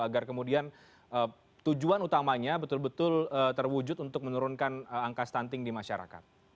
agar kemudian tujuan utamanya betul betul terwujud untuk menurunkan angka stunting di masyarakat